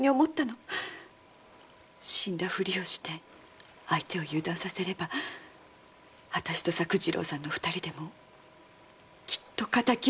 死んだふりをして相手を油断させれば私と作次郎さんの二人でもきっと敵討ちができるって。